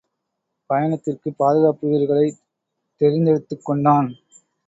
பயணத்திற்குப் பாதுகாப்பு வீரர்களைத் தெரிந்தெடுத்துக் கொண்டான்.